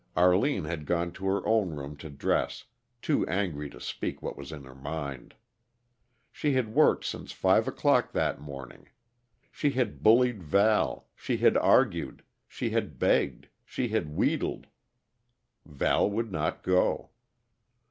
Arline had gone to her own room to dress, too angry to speak what was in her mind. She had worked since five o'clock that morning. She had bullied Val, she had argued, she had begged, she had wheedled. Val would not go.